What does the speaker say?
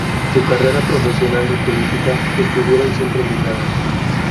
Su carrera profesional y política estuvieron siempre ligadas.